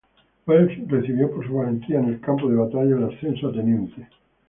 Welsh recibió por su valentía en el campo de batalla el ascenso a teniente.